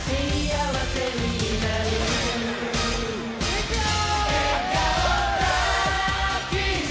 いくよ！